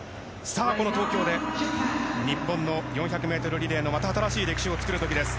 この東京で日本の４００ｍリレーのまた新しい記録を作る時です。